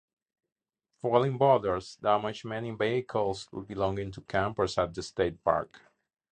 Falling boulders damaged many vehicles belonging to campers at the state park.